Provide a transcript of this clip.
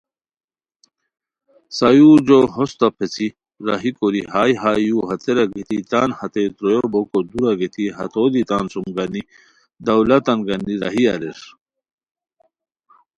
سایورجو ہوستہ پیڅھی راہی کوری ہائے ہائے یو ہتیرا گیتی تان ہتے ترویو بوکو دورا گیتی ہتو دی تان سوم گانی دولتان گانی راہی اریر